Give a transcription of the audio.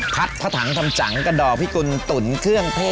คัดเพาะถังทำจังกระดอกพี่กุญตุ๋นเครื่องเป้